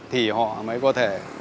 thì họ mới có thể